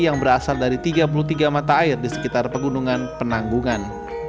yang berasal dari tiga puluh tiga mata air di sekitar pegunungan penanggungan